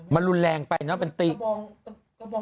มันรุนแรงไปเนอะเป็นติ